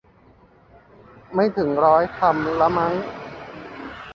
ไม่ถึงร้อยคำละมั้ง